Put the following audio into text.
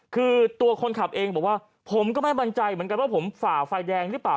คือตัวคนขับเองบอกว่าผมก็ไม่มั่นใจเหมือนกันว่าผมฝ่าไฟแดงหรือเปล่า